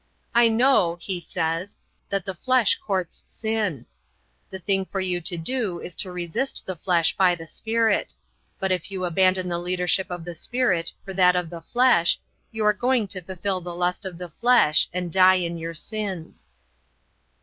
"I know," he says, "that the flesh courts sin. The thing for you to do is to resist the flesh by the Spirit. But if you abandon the leadership of the Spirit for that of the flesh, you are going to fulfill the lust of the flesh and die in your sins."